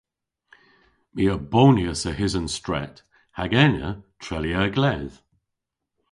My a bonyas a-hys an stret hag ena treylya a gledh.